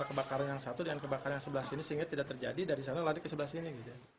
kebakaran yang satu dengan kebakaran yang sebelah sini sehingga tidak terjadi dari sana lari ke sebelah sini